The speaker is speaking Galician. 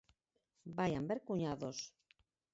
Vaian ver 'Cuñados'.